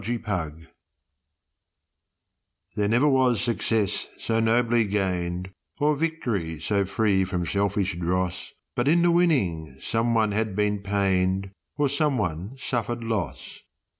SUN SHADOWS There never was success so nobly gained, Or victory so free from selfish dross, But in the winning some one had been pained Or some one suffered loss.